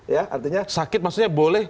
ya artinya sakit maksudnya boleh